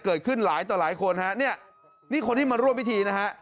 เกิดขึ้นหลายต่อหลายคนฮะเนี่ยนี่คนที่มาร่วมพิธีนะฮะ